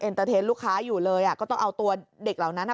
เตอร์เทนต์ลูกค้าอยู่เลยอ่ะก็ต้องเอาตัวเด็กเหล่านั้นอ่ะ